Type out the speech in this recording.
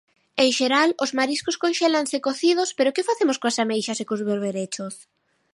En xeral os mariscos conxélanse cocidos pero que facemos coas ameixas e cos berberechos?